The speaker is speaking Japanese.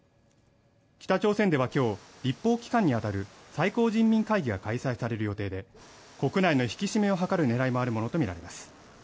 北朝鮮では今日、立法機関に当たる最高人民会議が開催される予定で国内の引き締めを図る狙いもあるものとみられます。